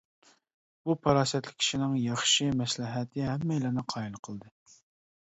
بۇ پاراسەتلىك كىشىنىڭ ياخشى مەسلىھەتى ھەممەيلەننى قايىل قىلدى.